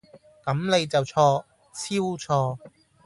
咁你就錯，超錯